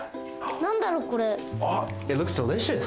なんだろうこれ。